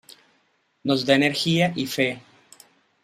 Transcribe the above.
Nos da energía y fe.